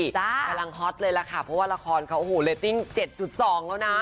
กำลังฮอตเลยล่ะค่ะเพราะว่าละครเขาโอ้โหเรตติ้ง๗๒แล้วนะ